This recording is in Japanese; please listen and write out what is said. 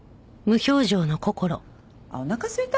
あっおなかすいた？